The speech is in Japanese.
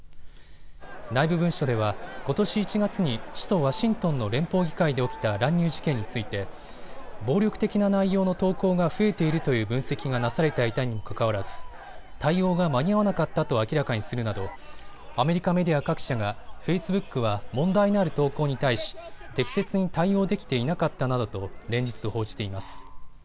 内部文書では、ことし１月に首都ワシントンの連邦議会で起きた乱入事件について暴力的な内容の投稿が増えているという分析がなされていたにもかかわらずす対応が間に合わなかったと明らかにするなどアメリカメディア各社がフェイスブックは問題のある投稿に対し、適切に対応できていなかったなどと連日、報じています。